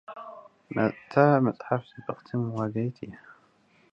እዛ መጽሓፍ ጽቡቕቲ መዋገዪት እያ።